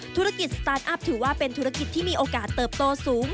ธุรกิจสตาร์ทอัพถือว่าเป็นธุรกิจที่มีโอกาสเติบโตสูง